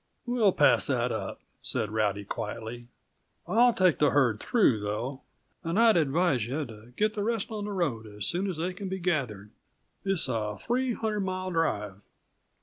"We'll pass that up," said Rowdy quietly. "I'll take the herd through, though; and I'd advise you to get the rest on the road as soon as they can be gathered. It's a three hundred mile drive."